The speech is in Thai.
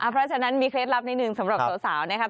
เพราะฉะนั้นมีเคล็ดลับนิดนึงสำหรับสาวนะครับ